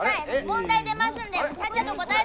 問題出ますんでちゃっちゃと答えてください！